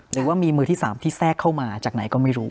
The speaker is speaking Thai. หรือว่ามีมือที่๓ที่แทรกเข้ามาจากไหนก็ไม่รู้